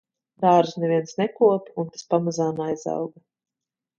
Dārzu neviens nekopa un tas pamazām aizauga.